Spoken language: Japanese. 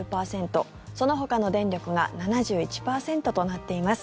そのほかの電力が７１％となっています。